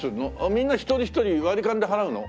みんな一人一人割り勘で払うの？